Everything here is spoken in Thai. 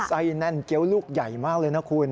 แน่นเกี้ยวลูกใหญ่มากเลยนะคุณ